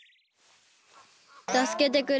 たすけてくれ。